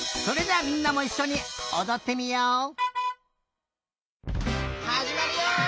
それじゃあみんなもいっしょにおどってみよう！